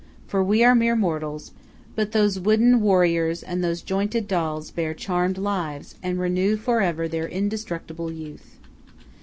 For we are mere mortals; but those wooden warriors and those jointed dolls bear charmed lives, and renew for ever their indestructible youth.